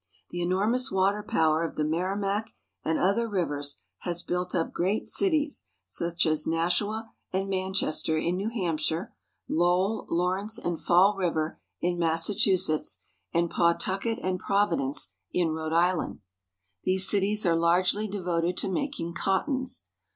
The enormous water power of the Merrimac and other rivers has built up great cities, such as Nashua and Man chester in New Hampshire ; Lowell, Lawrence, and Fall River in Massachusetts : and Pawtucket and Providence in COTTON AND WOOLEN MILLS. 79 Rhode Island. These cities are largely devoted to mak ing cottons.